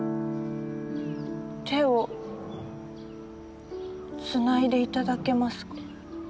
手をつないで頂けますか？